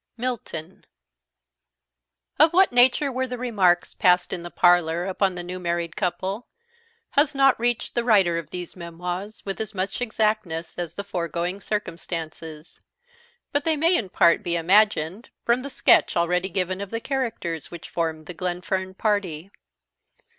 Milton OF what nature were the remarks passed in the parlour upon the new married couple has not reached the writer of these memoirs with as much exactness as the foregoing circumstances; but they may in part be imagined from the sketch already given of the characters which formed the Glenfern party.